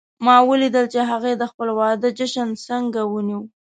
ما ولیدل چې هغې د خپل واده جشن څنګه ونیو